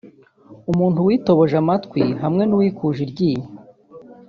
Umuntu witoboje amatwi hamwe n’uwikuje iryinyo